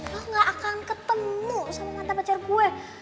lo enggak akan ketemu sama mantan pacar gue